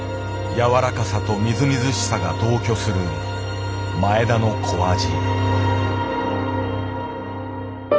やわらかさとみずみずしさが同居する前田の小アジ。